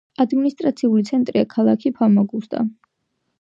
ადმინისტრაციული ცენტრია ქალაქი ფამაგუსტა.